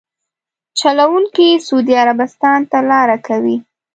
چلونکي سعودي عربستان ته لاره کوي.